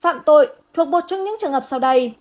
phạm tội thuộc một trong những trường hợp sau đây